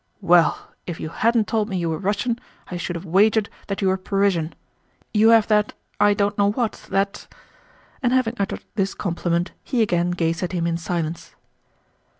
"Well, if you hadn't told me you were Russian, I should have wagered that you were Parisian! You have that... I don't know what, that..." and having uttered this compliment, he again gazed at him in silence.